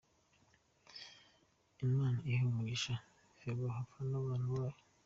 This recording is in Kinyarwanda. Imana ihe umugisha Ferwafa n’abantu bayo.